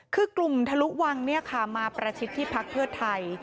คือกลุ่มทะลุวังมาประชิดที่พักเพื่อไทย